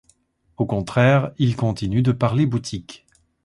Au contraire, ils continuent de parler boutique.